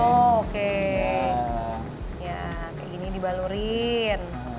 ya kayak gini dibalurin